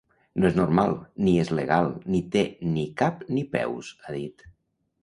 No és normal, ni és legal, ni té ni cap ni peus, ha dit.